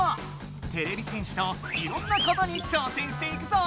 てれび戦士といろんなことに挑戦していくぞ！